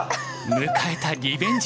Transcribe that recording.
迎えたリベンジの日。